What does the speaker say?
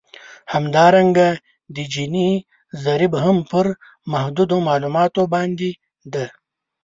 همدارنګه د جیني ضریب هم پر محدودو معلوماتو باندې دی